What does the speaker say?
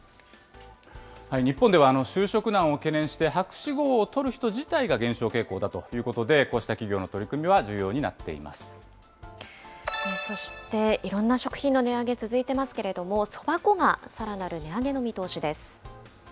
日本では就職難を懸念して、博士号を取る人自体が減少傾向だということで、こうした企業の取そしていろんな食品の値上げ、続いていますけれども、そば粉がさらなる値上げの見通しです。